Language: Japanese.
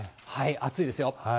暑いですよ。